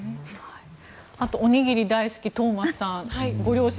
あとおにぎり大好きトーマスさんご両親